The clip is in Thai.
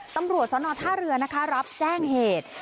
ตำรวจสนท่าเรือนะคะรับแจ้งเหตุ